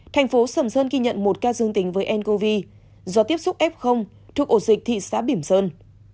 thành phố sầm sơn ghi nhận một ca dương tính với ncov do tiếp xúc f thuộc ổ dịch thị xã bỉm sơn